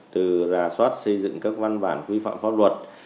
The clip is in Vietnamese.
từ rà soát xây dựng các văn bản quy phạm pháp luật